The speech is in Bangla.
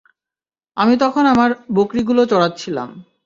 আমি তখন আমার বকরীগুলো চড়াচ্ছিলাম।